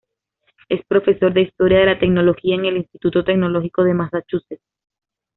Es Profesor de Historia de la Tecnología en el Instituto Tecnológico de Massachusetts.